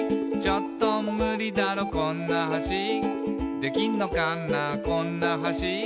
「ちょっとムリだろこんな橋」「できんのかなこんな橋」